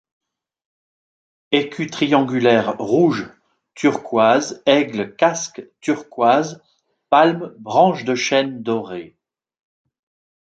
Écu triangulaire rouge turquoise aigle casque turquoise palme branche de chêne dorées.